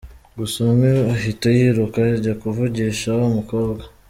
Gusa umwe ahita yiruka ajya kuvugisha wa mukobwa.